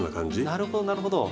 なるほどなるほど。